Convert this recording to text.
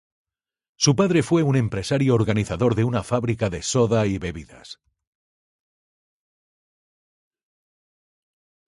Su padre fue un empresario organizador de una fábrica de soda y bebidas.